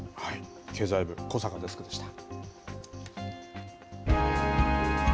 経済部、小坂デスクでした。